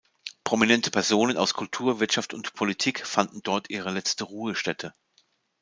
Prominente Personen aus Kultur, Wirtschaft und Politik fanden dort ihre letzte Ruhestätte.